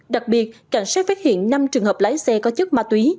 đặc biệt cảnh sát phát hiện năm trường hợp lái xe có chất ma túy